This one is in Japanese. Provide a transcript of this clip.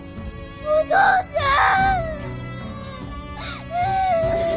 お父ちゃん。